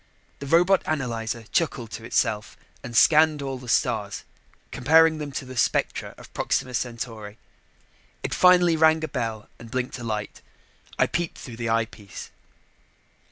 The robot analyzer chuckled to itself and scanned all the stars, comparing them to the spectra of Proxima Centauri. It finally rang a bell and blinked a light. I peeped through the eyepiece.